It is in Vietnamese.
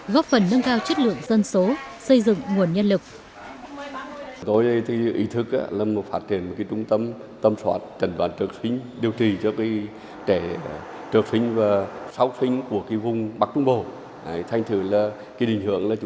góp phần nâng cao chất lượng dân số xây dựng nguồn nhân lực